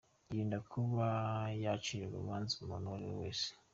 Yirinda kuba yacira urubanza umuntu uwo ari we wese.